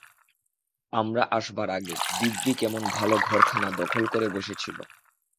আমরা আসবার আগে দিব্যি কেমন ভালো ঘরখানা দখল করে বসেছিল।